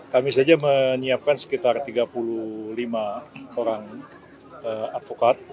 kami saja menyiapkan sekitar tiga puluh lima orang advokat